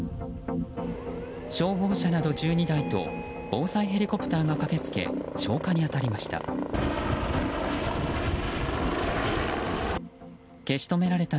消防車など１２台と防災ヘリコプターが駆けつけ消火に当たりました。